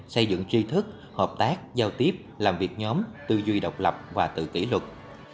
xây dựng tri thức hợp tác giao tiếp làm việc nhóm tư duy độc lập và tự kỷ luật